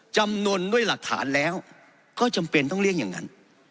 จำนวนด้วยหลักฐานแล้วก็จำเป็นต้องเลี่ยงอย่างนั้น